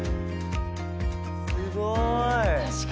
すごい！